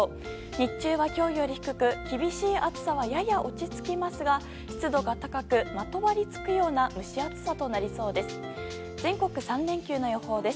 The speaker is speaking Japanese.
日中は今日より低く厳しい暑さはやや落ち着きますが湿度が高く、まとわりつくような蒸し暑さとなりそうです。